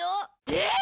えっ！？